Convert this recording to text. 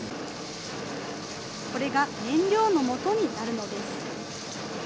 これが燃料のもとになるのです。